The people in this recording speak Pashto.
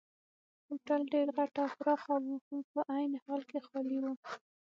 هوټل ډېر غټ او پراخه وو خو په عین حال کې خالي وو.